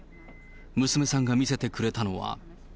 娘さんが見せてくれたのは。